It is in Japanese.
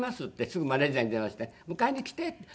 すぐマネジャーに電話して「迎えに来て」って。